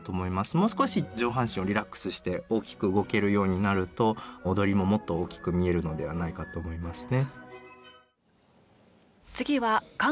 もう少し上半身をリラックスして大きく動けるようになると踊りももっと大きく見えるのではないかと思いますね。